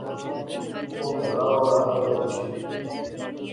او کہلاہ اورار آیا اٹھی